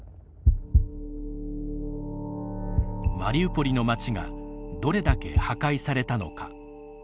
マリウポリの町がどれだけ破壊されたのか。